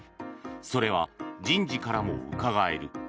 それは人事からもうかがえる。